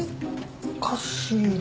おかしいな。